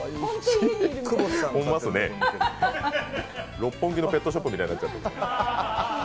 六本木のペットショップみたいになっちゃってる。